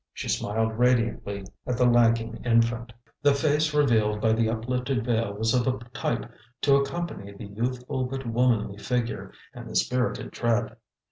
She smiled radiantly at the lagging infant. The face revealed by the uplifted veil was of a type to accompany the youthful but womanly figure and the spirited tread.